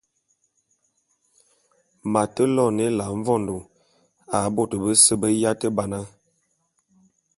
M’ate loene Ela mvondô a bôte bese be yate ba na.